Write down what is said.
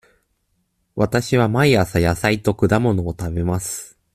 わたしは毎朝野菜と果物を食べます。